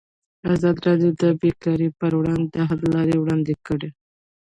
ازادي راډیو د بیکاري پر وړاندې د حل لارې وړاندې کړي.